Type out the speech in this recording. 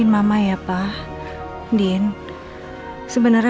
beli sembunyi cuma bikin kau ngeri